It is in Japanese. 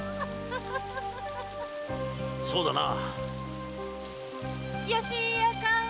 そうだな。